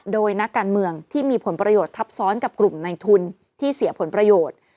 โดยนักการเมืองที่มีผลประโยชน์ทับซ้อนกับกลุ่มในทุนที่เสียผลประโยชน์